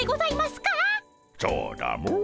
そうだモ。